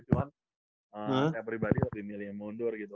cuman saya pribadi lebih milih mundur gitu